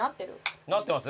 なってます？